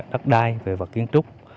đất đai về vật kiến trúc